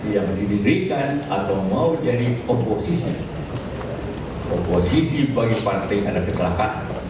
yang didirikan atau mau jadi oposisi bagi partai karena kecelakaan